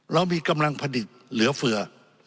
เรามีกำลังผลิตเหลือเฟือ